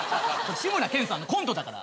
志村けんさんのコントだから。